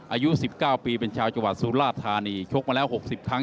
อายุสิบเก้าปีเป็นชาวจังหวัดสุราธานีชกมาแล้วหกสิบครั้ง